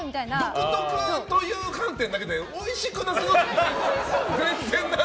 独特という観点だけでおいしくなさそう。